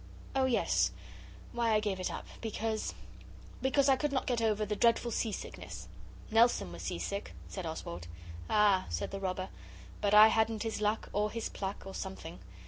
'Oh, yes; why I gave it up because because I could not get over the dreadful sea sickness.' 'Nelson was sea sick,' said Oswald. 'Ah,' said the robber; 'but I hadn't his luck or his pluck, or something.